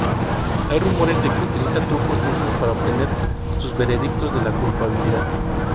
Hay rumores de que utiliza trucos sucios para obtener sus veredictos de culpabilidad.